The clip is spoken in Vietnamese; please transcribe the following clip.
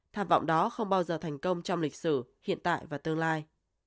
tham vọng đó không bao giờ thành công trong lịch sử hiện tại và tương lai